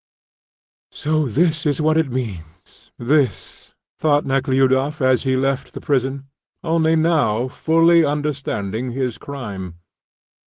"So this is what it means, this," thought Nekhludoff as he left the prison, only now fully understanding his crime.